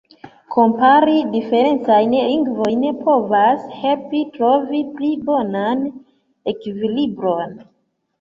Kompari diferencajn lingvojn povas helpi trovi pli bonan ekvilibron.